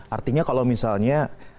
artinya kalau misalnya